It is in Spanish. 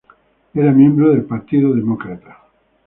Era miembro del Partido Demócrata.